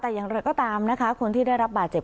แต่อย่างไรก็ตามนะคะคนที่ได้รับบาดเจ็บ